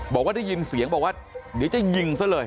บอกว่าได้ยินเสียงบอกว่าเดี๋ยวจะยิงซะเลย